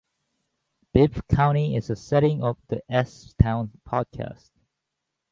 Bibb County is the setting of the S-Town podcast.